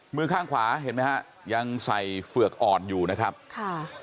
มือข้างขวาเห็นไหมฮะยังใส่เฝือกอ่อนอยู่นะครับค่ะ